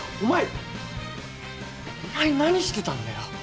お前何してたんだよ？